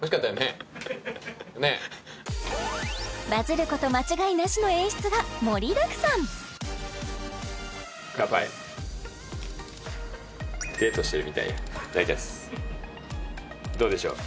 バズること間違いなしの演出が盛りだくさん乾杯どうでしょう？